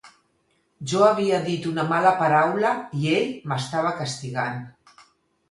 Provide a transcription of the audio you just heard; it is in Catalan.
Jo havia dit una mala paraula i ell m'estava castigant.